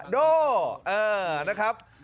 โดเออนะครับ